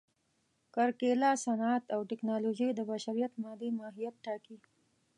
کرکېله، صنعت او ټکنالوژي د بشریت مادي ماهیت ټاکي.